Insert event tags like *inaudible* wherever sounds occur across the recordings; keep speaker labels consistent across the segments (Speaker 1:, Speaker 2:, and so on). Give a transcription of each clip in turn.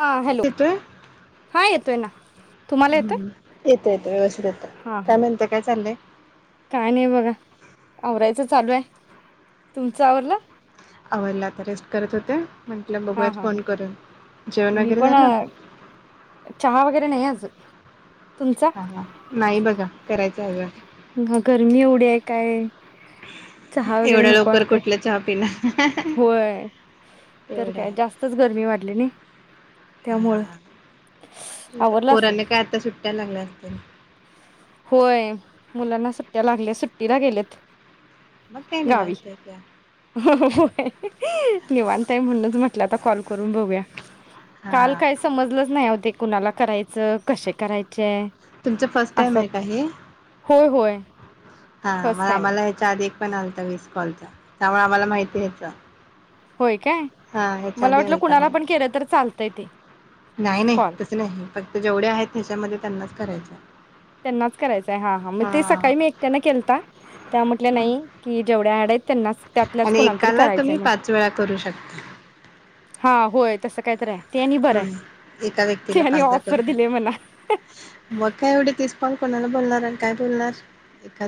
Speaker 1: हा हॅलो, हा ये *unintelligible*
Speaker 2: ह्म्म. येतोय. व्यवस्थित येतो
Speaker 1: हा हा
Speaker 2: त्यानंतर काय चाललंय.
Speaker 1: काय नाही बघा आवरायचं चालू ये तुमचं आवरलं.
Speaker 2: आवरलं आता रेस्ट करत होते. म्हटलं
Speaker 1: हा
Speaker 2: बघूयात
Speaker 1: हा हा
Speaker 2: फोन करून जेवण
Speaker 1: मी
Speaker 2: वगैरे
Speaker 1: पण
Speaker 2: झालं.
Speaker 1: चहा वगैरे नाही अजुन.
Speaker 2: हा हा नाही बघा कराय. ढग
Speaker 1: ह गरमी एवढी हाय काय. चहा वगैरे
Speaker 2: एवढ्या
Speaker 1: नको
Speaker 2: लवकर
Speaker 1: वाटते
Speaker 2: कुठलं चहा पिणार
Speaker 1: होय तर
Speaker 2: एवढा
Speaker 1: काय
Speaker 2: आहे.
Speaker 1: जास्तच गरमी वाढली नई. त्यामुळ
Speaker 2: हा
Speaker 1: आवडल आसल.
Speaker 2: त्यांना लागल्या असतील.
Speaker 1: होय मुलांना सुट्ट्या लागल्या सुट्टीला गेलेत.
Speaker 2: मग
Speaker 1: गावी
Speaker 2: निवांत त्या
Speaker 1: होय. निवांताय म्हणूनच म्हटलं आता कॉल करून बघूया काल
Speaker 2: हा
Speaker 1: काही समजलंच नाही हो ते कुणाला करायचं. कसे करायच.
Speaker 2: तुमच फर्स्ट टाइम आहे. का हे
Speaker 1: होय होय.
Speaker 2: हा म
Speaker 1: फर्स्ट टाइम आहे
Speaker 2: आम्हाला ह्याच्या आधी एक पण आलता मिस कॉलचा तवा आम्हाला माहितीये ह्याच
Speaker 1: होय. काय मला वाटलं कुणाला
Speaker 2: मग
Speaker 1: पण केलं तर चालतंय ते.
Speaker 2: नाही नाही
Speaker 1: कॉल
Speaker 2: तस नाही फक्त जेवढे आहेत त्याच्यामध्ये त्यांनाच करायचंये.
Speaker 1: त्यांनाच करायचंय हा हा मग ते सकाळी मी एकट्यान केलता ते म्हंटल्या नाही की जेवढ्या अँड आहेत त्यांनाच त्यातल्याच
Speaker 2: आणि
Speaker 1: कुणाला तरी
Speaker 2: एकाला
Speaker 1: करायचंय
Speaker 2: तुम्ही
Speaker 1: म्हणुन
Speaker 2: पाच वेळा करू शकता
Speaker 1: हा होय तस काय तर आहे. ते आणि
Speaker 2: ह
Speaker 1: बरं आहे
Speaker 2: एका व्यक्तीला
Speaker 1: ते आणि
Speaker 2: पाचदा कर
Speaker 1: ऑफर दिले मला
Speaker 2: मग काय एवढे ते पण कोणाला बोलणार आणि काय बोलणार.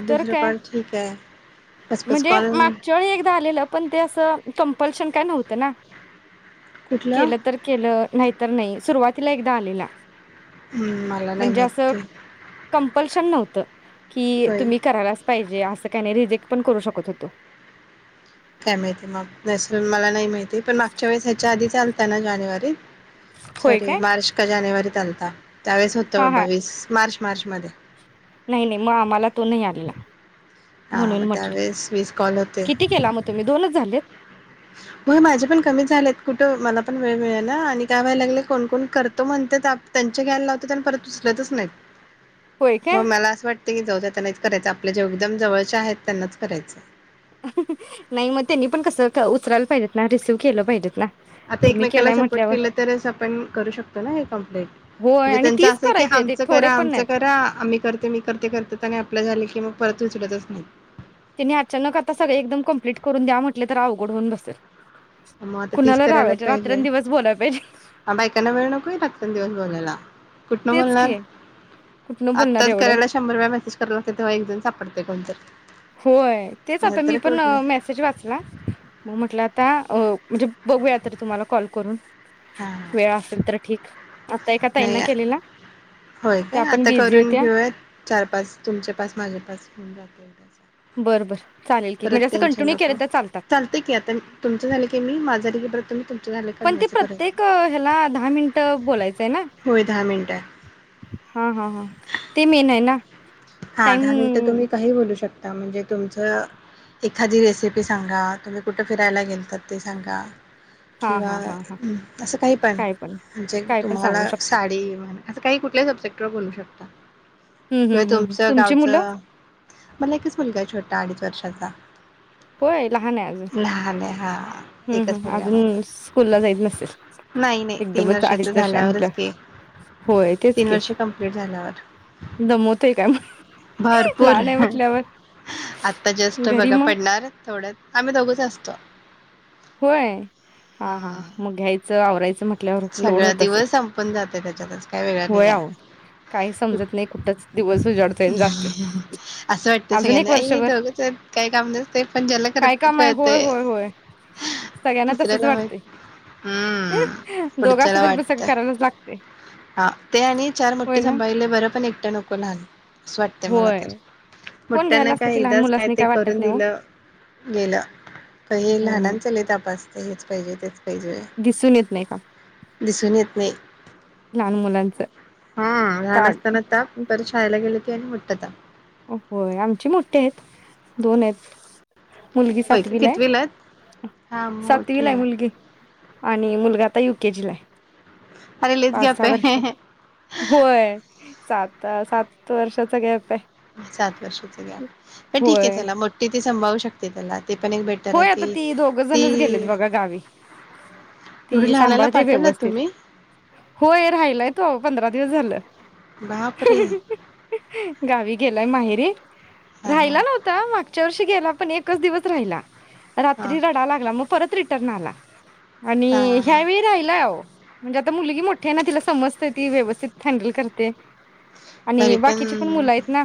Speaker 1: तर काय
Speaker 2: *unintelligible*
Speaker 1: म्हणजे
Speaker 2: कॉल
Speaker 1: मागच्या वेळी एकदा आलेलं पण ते अस कपल्शन काय नव्हतं ना.
Speaker 2: कुठलं
Speaker 1: केलं तर केलं नाही तर नाही सुरवात तिला एकदा आलेला
Speaker 2: हुं मला नाय माहिती
Speaker 1: कंम्पलशन नव्हत. कि
Speaker 2: होय
Speaker 1: तुम्ही करायलाच पाहिजे आस् अस काही नाय रिजेक पण करू शकत होतो.
Speaker 2: काय माहिती मग नॅचरल मला नाही माहित ते पण मागच्या वेळेस ह्याच्या आधीचा आलता ना जानेवारी *inaudible*
Speaker 1: होय
Speaker 2: साॅरी
Speaker 1: काय?
Speaker 2: मार्च का जानेवारी आलता. त्यावेळेस होत
Speaker 1: हा हा
Speaker 2: बवीस मार्च मार्चमध्ये
Speaker 1: नाही नाही म आम्हाला तो नाही आलेला.
Speaker 2: हां मग
Speaker 1: म्हणून म्हटलं
Speaker 2: त्यावेळेस वीस कॉल होते
Speaker 1: किती केला म तुम्ही दोनच झालेत.
Speaker 2: होय माझे पण कमी झालेत कुठं मला पण वेळ मिळे ना आणि काय व्हायला लागलय कोण कोण करतो म्हणतात आप त्यांचे घ्यायला लावतात आणि परत उचलतच नाहीत.
Speaker 1: होय
Speaker 2: हो
Speaker 1: काय?
Speaker 2: मला असं वाट ते जाऊ द्या त्यांनाच करायचं आपल्या जे एकदम जवळच्या आहेत त्यांनाच करायचं.
Speaker 1: नाही मग त्यांनी पण कस उचलायला पाहिजेत ना रिसिव केलं पाहिजेत ना
Speaker 2: आता
Speaker 1: तुम्ही
Speaker 2: एकमेकाला
Speaker 1: केलाय
Speaker 2: सपोर्ट
Speaker 1: म्हटल्यावर
Speaker 2: केलं तरच आपण करू शकतो ना हे कंप्लिट
Speaker 1: होय
Speaker 2: म्हणजे
Speaker 1: आणि
Speaker 2: त्यांच
Speaker 1: तीच
Speaker 2: असं आहे की
Speaker 1: करायचे आहेत एक
Speaker 2: आमच
Speaker 1: थोडे
Speaker 2: करा
Speaker 1: पण
Speaker 2: आमच
Speaker 1: नाहीत.
Speaker 2: करा आ मी करते मी करते करत्यात आणि आपल झाली की, की मग परत उचलतच नाहीत.
Speaker 1: त्यांनी अचानक आता सगळे एकदम कंप्लीट करून द्या म्हटले तर अवघड होऊन बसल.
Speaker 2: मग आता तीस करायलाच पाहिजे.
Speaker 1: रात्रंदिवस बोलाय पाहिजे
Speaker 2: हा बायकांना वेळ नकोय रात्रं दिवस बोलायला. कुठन
Speaker 1: तेच
Speaker 2: बोलणार
Speaker 1: की कुठनं बोलणार
Speaker 2: आत्ताच
Speaker 1: एवढं
Speaker 2: करायला शंभर वेळा मेसेज कराला लागतय तेव्हा एक जण सापडते कोणतरी
Speaker 1: होय तेच आता
Speaker 2: नंतर
Speaker 1: मी पण अ
Speaker 2: कुठले
Speaker 1: मेसेज वाचला म म्हटलं आता अ म्हणजे बघूया तरी तुम्हाला कॉल करून
Speaker 2: हा
Speaker 1: वेळ असेल तर ठीक आता एका ताईंना
Speaker 2: नाही
Speaker 1: केलेला
Speaker 2: होय
Speaker 1: त्या
Speaker 2: काय
Speaker 1: पण
Speaker 2: आता
Speaker 1: बिझी
Speaker 2: करून
Speaker 1: होत्या
Speaker 2: घेऊयात चार पाच तुमचे पाच माझे पाच होऊन जातील
Speaker 1: बरं बर चालेल
Speaker 2: एकदाचा
Speaker 1: की म्हणजे
Speaker 2: परत
Speaker 1: असं
Speaker 2: त्यांच्या
Speaker 1: कंटिन्यू
Speaker 2: नको
Speaker 1: केलं तर चालतात
Speaker 2: चालतय की आता तुमचं झालं की मी माझं तरी ही प्रथमी तुमं झाल का
Speaker 1: पण ते
Speaker 2: *unintelligible*
Speaker 1: प्रत्येक ह्याला दहा मिनिट बोलायचंय ना
Speaker 2: होय दहा मिनिटं
Speaker 1: हा हा हा ते मेन आहे ना
Speaker 2: हा
Speaker 1: टाइम
Speaker 2: दहा मिनिटं तुम्ही काही बोलू शक ता म्हणजे तुमचं एखादी रेसिपी सांगा तुम्ही कुठं फिरायला गेलतात ते सांगा.
Speaker 1: हा
Speaker 2: किंवा
Speaker 1: हा हा हा
Speaker 2: असं काही पण म्हणजे
Speaker 1: काय पण सांगू
Speaker 2: तुम्हाला
Speaker 1: शकते
Speaker 2: साडी असं काही कुठल्याही वेबसाईट वर बोलू शकता.
Speaker 1: हम्म
Speaker 2: किंवा
Speaker 1: हम्म हम्म
Speaker 2: तुमचं
Speaker 1: तुमची मुलं
Speaker 2: गावचं मला एकच मुलगा आहे छोटा अडीच वर्षाचा.
Speaker 1: होय लहान आहे आजून.
Speaker 2: लहान आहे हा
Speaker 1: हम्म
Speaker 2: एकच
Speaker 1: हम
Speaker 2: मुलगा आहे माझा.
Speaker 1: अजून स्कूलला जाइत नसेल
Speaker 2: नाही नाही तीन
Speaker 1: एकदमच
Speaker 2: वर्षाच
Speaker 1: अडीच वर्ष म्हटलं
Speaker 2: झाल्यावरच की
Speaker 1: होय तेच
Speaker 2: तीन
Speaker 1: की
Speaker 2: वर्ष कंप्लीट झाल्यावर.
Speaker 1: दमोतय.
Speaker 2: भरपूर आता जस्ट
Speaker 1: घरी
Speaker 2: बघा
Speaker 1: मग
Speaker 2: पडणार थोड आम्ही दोघच. अस्त.
Speaker 1: होय हा हा मग घ्यायचं आवरायचं म्हटल्यावर लोड
Speaker 2: सगळा
Speaker 1: होत असेल
Speaker 2: दिवस संपून जाते त्याच्यातच काय वेगळा नाही
Speaker 1: होय
Speaker 2: आहे.
Speaker 1: आवो काही समजत नाही कुठच दिवस उजाडतोय आणि जातोय
Speaker 2: असं वाटतं
Speaker 1: अजून एक
Speaker 2: सगळ्यांना आई
Speaker 1: वर्षभर
Speaker 2: दोघंच काही काम नसतय पण ज्याला
Speaker 1: काय
Speaker 2: करत
Speaker 1: काम आहे होय
Speaker 2: करळतय.
Speaker 1: होय होय सगळ्यांना तसच
Speaker 2: दुसऱ्याला माहित,
Speaker 1: वाटतंय
Speaker 2: हम्म
Speaker 1: दोघं असलं
Speaker 2: पुढच्याला
Speaker 1: तरी पण सगळं
Speaker 2: वाटतं
Speaker 1: करायलाच लागतंय
Speaker 2: हा ते आणि चार
Speaker 1: होय
Speaker 2: मोठी
Speaker 1: ना
Speaker 2: सांभाळलेल बरं पण एकट नको. अस वाटते मला
Speaker 1: होय
Speaker 2: तर
Speaker 1: कोण
Speaker 2: मोठ्यांना
Speaker 1: घ्यायला असतं
Speaker 2: काय
Speaker 1: की लहान
Speaker 2: एकदाच काय
Speaker 1: मुलासनी
Speaker 2: ते
Speaker 1: वाटत
Speaker 2: करून
Speaker 1: नाही ओ
Speaker 2: दिलं गेलं खर हे.
Speaker 1: होय
Speaker 2: लहानांचा लयी ताप आसतय हेच पाहिजे तेच पाहिजे.
Speaker 1: दिसून येत नाही काम
Speaker 2: दिसून येत नाही.
Speaker 1: लहान मुलांचं
Speaker 2: हा लहान
Speaker 1: काढ
Speaker 2: असताना ताप. खायला गेलकी आणि मोठा ताप.
Speaker 1: होय आमची मोठी आहेत *inaudible* मुलगी
Speaker 2: होय का
Speaker 1: सातवीलाय
Speaker 2: कितवीला आहेत? हा मोठी
Speaker 1: सातवीलाय
Speaker 2: आहे
Speaker 1: मुलगी आणि मुलगा आता युकेजीलाय.
Speaker 2: अरे लईच
Speaker 1: पाच
Speaker 2: गॅप
Speaker 1: सहा वर्ष
Speaker 2: आहे
Speaker 1: होय. सात सात वर्षाचा गॅप आहे.
Speaker 2: सात वर्षाच गॅप, पण ठीक आहे
Speaker 1: होय
Speaker 2: चला मोठी ती संभाळू शकता. तेला.
Speaker 1: होय आता ती दोघं जणच गेलेत बघा गावी
Speaker 2: एवढी
Speaker 1: ती
Speaker 2: लहानाला
Speaker 1: सांभाळते
Speaker 2: पाठवलात
Speaker 1: व्यवस्थित
Speaker 2: तुम्ही?
Speaker 1: होय राहिलाय. हो पंधरा दिवस झालं.
Speaker 2: बापरे!
Speaker 1: गावी. गेलाय माहेरीे.
Speaker 2: हा हा
Speaker 1: राहिला नव्हता मागच्या वर्षी. गेला पण एकच दिवस राहिला.
Speaker 2: हा
Speaker 1: रात्री रडा लागला म परत. रिटर्न आला.
Speaker 2: हा
Speaker 1: आणिअ
Speaker 2: हा
Speaker 1: ह्यावेळी राहिलाय आओ. म्हणजे आता मुलगी मोठ्ठी हे ना तिला समजते ती व्यवस्थित हँडल करते. आणि बाकीची पण मुलं आहेत ना.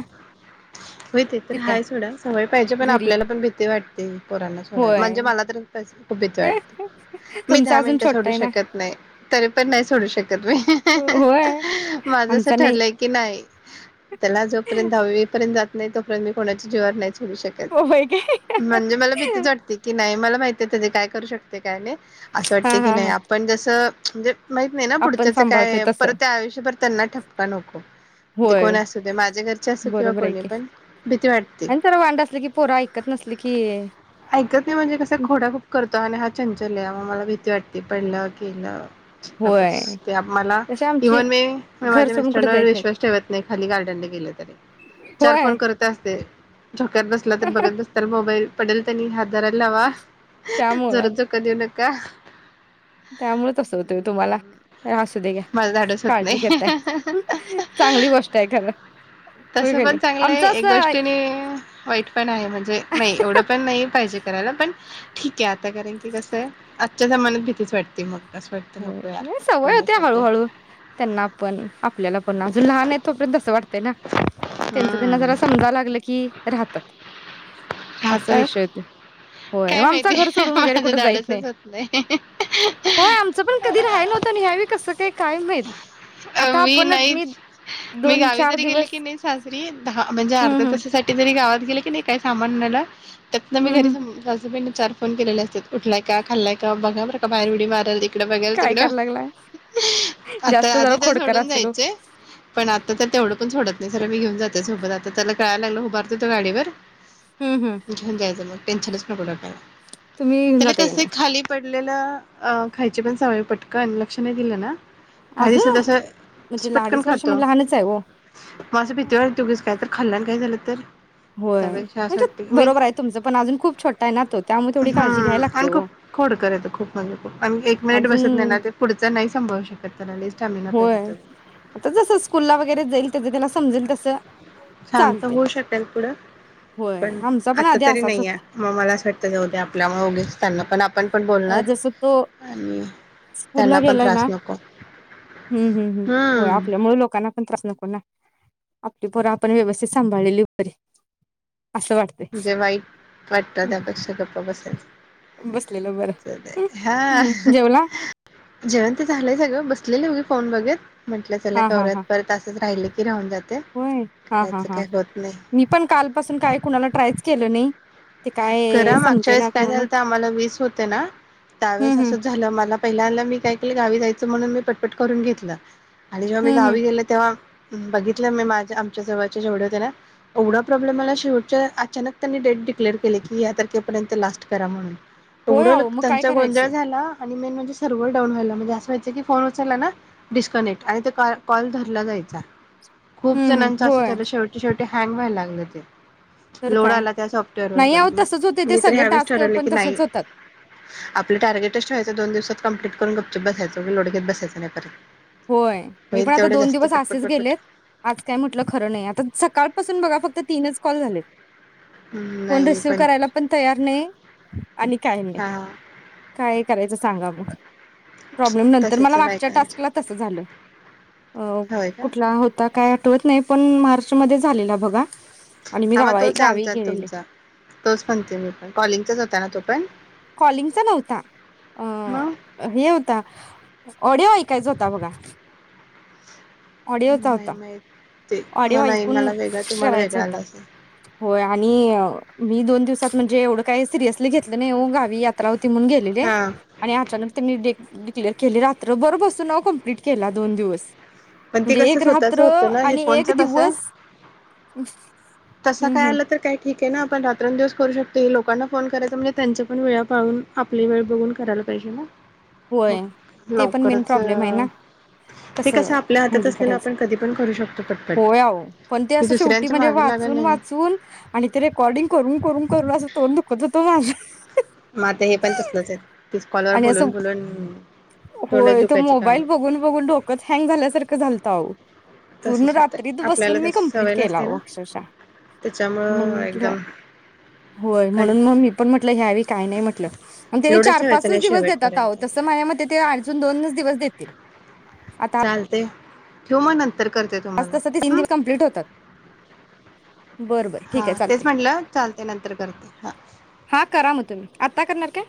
Speaker 2: होय ते तर
Speaker 1: तिथं
Speaker 2: हाय सोडा सवय पाहिजे पण
Speaker 1: घरी
Speaker 2: आपल्याला पण भीती वाट *inaudible* पोरांना सोडाया म्हणजे
Speaker 1: होय.
Speaker 2: मला तर खूपच खूप भीती वाटत मी
Speaker 1: तुमचा
Speaker 2: दहा
Speaker 1: अजून
Speaker 2: मिनटं
Speaker 1: छोटा
Speaker 2: सोडू
Speaker 1: आहे ना
Speaker 2: शकत नाही तरी पण नाही सोडू शकत मी
Speaker 1: होय
Speaker 2: माझ असं
Speaker 1: आमचा नाही
Speaker 2: ठरलंय की नाही. त्याला जोपर्यंत दहावीपर्यंत जात नही तोपर्यंत मी कोणाची जीवावर नाही सोडू शकत
Speaker 1: होय काय?
Speaker 2: म्हणजे मला भीतीच वाटते की नाही मला माहितीय ते काय करू शकते काय नही. असं
Speaker 1: हा
Speaker 2: वाटतय की
Speaker 1: हा
Speaker 2: नाही
Speaker 1: हा
Speaker 2: आपण जसं म्हणजे माहित नाही ना
Speaker 1: आपण
Speaker 2: पुढच्याच
Speaker 1: सांभाळतोय
Speaker 2: काय
Speaker 1: तसं
Speaker 2: परत त्या आयुष्यभर त्यांना ठपका नको जे
Speaker 1: होय
Speaker 2: कोण असू ते माझ्या घरचे असो किंवा
Speaker 1: बरोबर आहे
Speaker 2: कोणी.
Speaker 1: की
Speaker 2: भीती वाटते
Speaker 1: आणि जरा वांड असलं की पोरं ऐकत नसली की
Speaker 2: ऐकत नाही म्हणजे कस खोड्या खूप करतो अन् हा चंचल हे हा मला भीती वाटते पडला केला. नकोस
Speaker 1: होय
Speaker 2: ते आ मला
Speaker 1: तशी आमची
Speaker 2: इव्हन मी मी
Speaker 1: घर
Speaker 2: माझ्या
Speaker 1: सोडून कुठे
Speaker 2: मिस्टरांवर
Speaker 1: जायत नाहीत
Speaker 2: विश्वास ठेवत नाही खाली गार्डन गेले तरी. चार
Speaker 1: होय
Speaker 2: फोन करत असते झोक्यात बसला तर बघत बसताल मो बैल पडेल त्यांनी हात धरायला लावा जोरात झोका द्यून का?
Speaker 1: त्यामुळं तसं होतंय हो तुम्हाला या असू दे घ्या
Speaker 2: माझं धाडस होत
Speaker 1: काळजी
Speaker 2: नाही
Speaker 1: घेेताय चांगली गोष्ट हे खरं होय का नाही.
Speaker 2: चांगलय
Speaker 1: आमचं
Speaker 2: एक
Speaker 1: असं
Speaker 2: गोष्टीने वाईट पण आहे म्हणजे नाही एवढं पण नाही पाहिजे करायला पण ठीकय आता कारण की कसं हे आजच्या जमान्यात भीतीच वाटते मग. असं वाटतं
Speaker 1: होय,
Speaker 2: नको यार
Speaker 1: नाही सवय होते
Speaker 2: कोणासाठी
Speaker 1: हळूहळू त्यांना पण आपल्याला पण अजून लहान आहेत हेत तोपर्यंत तसं वाटतंय ना. त्यांच त्यांना
Speaker 2: हम्म
Speaker 1: जरा समजा लागलं की राहतात असा
Speaker 2: आता
Speaker 1: विषय होतोय होय
Speaker 2: काय
Speaker 1: व आमचा
Speaker 2: माहिती
Speaker 1: घर सोडून वगैरे
Speaker 2: माझं
Speaker 1: कुठ जाईत नाही
Speaker 2: धाडसच होत नाही
Speaker 1: होय आम च पण कधी राहाय नव्हतं ह्यावेळी कसं काय काय माहीत
Speaker 2: अ,
Speaker 1: आता आपणच मी
Speaker 2: नाहीच मी
Speaker 1: दोन
Speaker 2: गावी
Speaker 1: चार
Speaker 2: जरी गेले
Speaker 1: दिवस
Speaker 2: की नाही सासरी एक दहा म्हणजे अर्धा
Speaker 1: हम्म हम्म
Speaker 2: तासासाठी जरी गावा वात गेले की नाही काही सामान आणायला त्यातन मी
Speaker 1: हम्म हम्म
Speaker 2: घरीच *unintelligible* चार फोन केलेले असतात उठलाय का खाल्लाय का बघा बर का बाहेर उडी मारत ते. तिकड बघाल
Speaker 1: काय
Speaker 2: तिकड
Speaker 1: कराय लागलाय
Speaker 2: आता
Speaker 1: जास्त
Speaker 2: आधी
Speaker 1: जरा
Speaker 2: तर
Speaker 1: खोडकर
Speaker 2: सोडून
Speaker 1: असेल ओ
Speaker 2: जायचंय पण आ तर तेवढं पण सोडत नाही सर मी घेऊन जाते सोबत आता त्याला कळाय लागलंला उभारतो तो गाडीवर.
Speaker 1: हम्म हम्म
Speaker 2: घेऊन जायचं. टेन्शनच नको डोक्याला
Speaker 1: तुम्ही घेऊन जाताय काय नाही?
Speaker 2: आपल्याला खायची पण सवय पटकंन आणि लक्ष नाही दिलं ना. काय दिसेल
Speaker 1: अजून
Speaker 2: तसं
Speaker 1: म्हणजे अडीच वर्ष म्हण लहानच आहे हो.
Speaker 2: माझं भिती वाटतं उगीच. का खाल्लंन काय झालं तर
Speaker 1: होय
Speaker 2: त्यापेक्षा असं
Speaker 1: म्हणजे
Speaker 2: वाटते मी
Speaker 1: बरोबर आहे तुमचं पण अजून खूप छोटा आहे ना तो त्यामुळे तेथढी काळजी
Speaker 2: हम्म
Speaker 1: घ्यायला लागते
Speaker 2: आणि खूप
Speaker 1: हो
Speaker 2: खोडकर येतो खूप म्हणजे खूप आणि एक मिनिट बसत नाही
Speaker 1: अजून
Speaker 2: ना ते पुढचं नाही सांभाळू शकत त्याला लई स्टॅमिना पाहिजे
Speaker 1: होय
Speaker 2: त्याला
Speaker 1: आता जस स्कूलला वगैरे जाईल त्याच तो समजेल तसं.
Speaker 2: शांत होऊ शकेल. पुढ
Speaker 1: होय
Speaker 2: पण
Speaker 1: आमचा पण
Speaker 2: आता
Speaker 1: आधी
Speaker 2: तरी
Speaker 1: असाच
Speaker 2: नाही हाय
Speaker 1: होता
Speaker 2: मग मला असं वाटतं न्हव आपल्यामुळे उगीच त्यांना पण आपण पण
Speaker 1: अ
Speaker 2: बोलणार
Speaker 1: जस तो
Speaker 2: आणि
Speaker 1: स्कूलला
Speaker 2: त्यांना पण
Speaker 1: गेलाय ना
Speaker 2: त्रास नको
Speaker 1: ह् ह होय
Speaker 2: हम्म
Speaker 1: आपल्यामुळ लोकांना. त्रास नको ना आपली पोर आपण व्यवस्थित सांभाळलेली बरी. असं वाटते
Speaker 2: म्हणजे वाईट वाटत त्यापेक्षा गप्प बसेल.
Speaker 1: बसलेलं बरं
Speaker 2: हा
Speaker 1: जेवला
Speaker 2: जेवण तेन झालंय सगळं बसले. हो फोन बघत. म्हटलं च
Speaker 1: हा हा हा
Speaker 2: कवात परत असंच राहिल. ती राहून देत.
Speaker 1: होय हा हा ह मी पण कालपासून काय कुणाला ट्रायच केलो नाही. ते काय
Speaker 2: खरा मागच्या वेळेस
Speaker 1: समजेनाच
Speaker 2: काय
Speaker 1: म्हणून
Speaker 2: झालं तर आम्हाला वीस होते ना
Speaker 1: हं,
Speaker 2: त्यावेेळेस
Speaker 1: हं,
Speaker 2: असं झालं मला पहिल्या आलं मी काय केलं गावी जायच. म्हणून मी पटपट करून घेतलं. आणि जेव्हा मी
Speaker 1: हं, हं.
Speaker 2: गावी गेले तेव्हा बघितलं मी माझ्या आमच्या जवळच्या जेवढ्या होते ना एवढा प्रॉब्लेमला शेवटच्या अचानक त्यांनी डेट डिक्लेअर केले की या तारखेपर्यंत लास्ट करा म्हणून
Speaker 1: होय
Speaker 2: एवढं
Speaker 1: अहो मग काय
Speaker 2: त्यांचा गोंधळ
Speaker 1: करायचे?
Speaker 2: झाला. आणि मेन म्हणजे सर्व्हर डाऊन व्हायला म्हणजे असं व्हायचं की फोन उचलला ना डिस्कनेक्ट आणि ते कॉल धरला जायचा. खूप
Speaker 1: हं, हं.
Speaker 2: जणांचं असं
Speaker 1: होय,
Speaker 2: झालं शेवटी शेवटी हँग व्हायला. हो सांगते.
Speaker 1: तर
Speaker 2: लोड
Speaker 1: काय.
Speaker 2: आला त्या शाॅप्
Speaker 1: नाही अहो तसंच होते ते
Speaker 2: मी तर
Speaker 1: सगळे
Speaker 2: ह्यावेळे
Speaker 1: टास्क
Speaker 2: ठरवलंयच
Speaker 1: पण
Speaker 2: की नाही
Speaker 1: तसेच होतात.
Speaker 2: आपलं टार्गेटच ठेवाय दोन दिवसात कंप्टिट करून गपचूप बसायचं लोड घेत बसायचं नाही परत
Speaker 1: होय, मी पण
Speaker 2: होईल
Speaker 1: आता
Speaker 2: तेवढं
Speaker 1: दोन
Speaker 2: जास्त
Speaker 1: दिवस
Speaker 2: पटपट
Speaker 1: असंच
Speaker 2: पटपट
Speaker 1: गेलेत. आज काय म्हटलं खरं नाही आता, सकाळपासून बघा फक्त तीनच कॉल झालेत.
Speaker 2: हम्म,
Speaker 1: फोन
Speaker 2: नाही
Speaker 1: रिसिव करायला पण तयार नाही आणि काय नाही.
Speaker 2: हा
Speaker 1: काय करायचं सांगा मग? प्रॉब्लेम नंतर मला
Speaker 2: तसंच आहे
Speaker 1: मागच्या
Speaker 2: बायकांचं
Speaker 1: टास्क तस झालं. अ
Speaker 2: होय का?
Speaker 1: कुठला होता काय आठवत नाही पण् मार्च मध्ये झालेला बघा. आणि मी
Speaker 2: हा म्
Speaker 1: गावा
Speaker 2: तोच आहे
Speaker 1: गावी
Speaker 2: आमचा
Speaker 1: गेलेले
Speaker 2: तुमचा तोच म्हणते मी पण कॉलिंगचाच होता ना तो? पण्
Speaker 1: कॉलिंगचा नव्हता
Speaker 2: मग
Speaker 1: अ् हे होता ऑडिओ ऐक्. तेच होता बघा. ऑडिओचा
Speaker 2: नाही
Speaker 1: होता
Speaker 2: माहित. ते
Speaker 1: ऑडिओ
Speaker 2: मग नाही
Speaker 1: ऐकून
Speaker 2: मला वेगळा तुम्हाला
Speaker 1: करायचा
Speaker 2: वेगळा
Speaker 1: होता.
Speaker 2: आला असेल
Speaker 1: होय आणि मी दोन् दिवसात म्हणजे एवढं काय सिरियसली घेतलं नाही ओ गावी यात्रा हो् ती म्हणून गेलेले
Speaker 2: हा
Speaker 1: आणि अचानक ते मी *unintelligible* क्लिअर केली रात्रभर बसून अओ कंप्लीट केला दोन दिवस.
Speaker 2: पण ते
Speaker 1: म्हणजे
Speaker 2: कसं
Speaker 1: एक
Speaker 2: स्वतःच
Speaker 1: रात्र
Speaker 2: होतं ना हे
Speaker 1: आणि
Speaker 2: फोनच
Speaker 1: एक
Speaker 2: कसं,
Speaker 1: दिवस हम्म
Speaker 2: तस काय
Speaker 1: हम्म
Speaker 2: आलं तर काय ठीक आहे ना आपण रात्रंदिवस करू शकते लोकांना फोन करायचा म्हणजे त्यांच्या पण वेळा पाळून आपली वेळ बघून करायला पाहिजे ना.
Speaker 1: होय.
Speaker 2: मग
Speaker 1: ते पण मेन
Speaker 2: लवकरच
Speaker 1: प्रॉब्लेम आहे
Speaker 2: अ,
Speaker 1: ना
Speaker 2: ते
Speaker 1: कस्ं
Speaker 2: कसं आपल्या हातात
Speaker 1: हैंडल
Speaker 2: असलेलं
Speaker 1: करायचं
Speaker 2: आपण कधी पण करू शकतो पटपट
Speaker 1: व्हय अहो पण ते
Speaker 2: मी
Speaker 1: असं शेवटी
Speaker 2: दुसऱ्यांच्या
Speaker 1: म्हणजे
Speaker 2: मागे लागत
Speaker 1: वाचून,
Speaker 2: नाही
Speaker 1: वाचून आणि ते रेकॉर्डिंग करून, करून करून असं तोंड दुखत होत माझं.
Speaker 2: म अता हे पण तसलच आहेत तीस कॉलवर
Speaker 1: आणि
Speaker 2: बोलून
Speaker 1: असं
Speaker 2: बोलू
Speaker 1: होय तो
Speaker 2: काम
Speaker 1: मोबाईल बघून बघून डोकचं हँग झाल्यासारखं झालत आहो. पूर्ण
Speaker 2: तसच
Speaker 1: रात्रीत
Speaker 2: होतंय आपल्याला
Speaker 1: बसून मी
Speaker 2: तस
Speaker 1: कंप्लीट
Speaker 2: सवय
Speaker 1: केला
Speaker 2: नसते
Speaker 1: ओ
Speaker 2: ना
Speaker 1: अक्षरशः
Speaker 2: त्याच्यामुळं
Speaker 1: म्हंटल्
Speaker 2: एकदम
Speaker 1: होय
Speaker 2: कं
Speaker 1: म्हणून म् मी पण म्हटलं ह्या वेळी काय नाही म्हटलं म त्यांनी
Speaker 2: लोडच
Speaker 1: चार-
Speaker 2: ठेवायचं
Speaker 1: पाचच
Speaker 2: नाही
Speaker 1: दिवस देतात.
Speaker 2: शेवटपर्यंत
Speaker 1: *unintelligible* तसं माझ्या मते ते अजून दोनच दिवस देतील.
Speaker 2: चालतंय. ठेऊ म् नंतर करते
Speaker 1: पाच
Speaker 2: तुम्हाला
Speaker 1: तासात ते हिन
Speaker 2: हं
Speaker 1: दिवस कंप्लीट होतात. बरं बरं
Speaker 2: हा
Speaker 1: ठीक आहे
Speaker 2: तेच
Speaker 1: चालतंय
Speaker 2: म्हटलं चालतय नंतर करते हा.
Speaker 1: हा करा मग तुम्ही आता करणार काय?